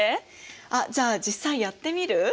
あっじゃあ実際やってみる？